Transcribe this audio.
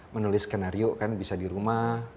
menulis skenario kan bisa di rumah